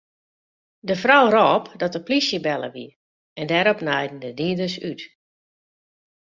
De frou rôp dat de polysje belle wie en dêrop naaiden de dieders út.